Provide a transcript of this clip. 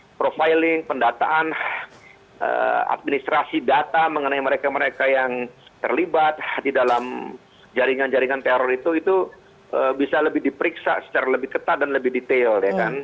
nah profiling pendataan administrasi data mengenai mereka mereka yang terlibat di dalam jaringan jaringan teror itu itu bisa lebih diperiksa secara lebih ketat dan lebih detail